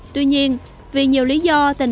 tuy nhiên vì nhiều lý do tình trạng của tỉnh bình định